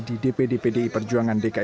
di dpd pdi perjuangan dki